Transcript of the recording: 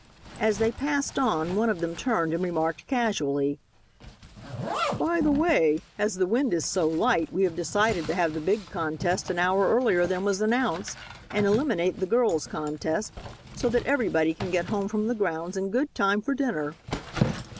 As they passed on one of them turned and remarked casually: "By the way, as the wind is so light we have decided to have the big contest an hour earlier than was announced, and eliminate the girls' contest, so that everybody can get home from the grounds in good time for dinner."